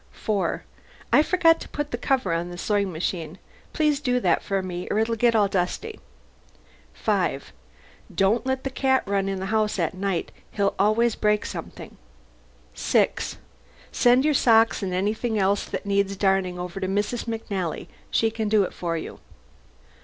4. I forgot to put the cover on the sewing machine. Please do that for me or it'll get all dusty. 5. Don't let the cat run loose in the house at night: he always breaks something. 6. Send your socks and anything else that needs darning over to Mrs. McNally, she can do it for you.